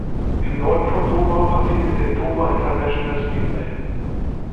Im Norden von Dover passiert er den Dover International Speedway.